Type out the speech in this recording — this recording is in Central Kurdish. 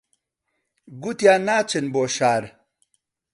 گوتیان ناچن بۆ شار